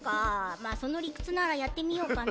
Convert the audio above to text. まあそのりくつならやってみようかな。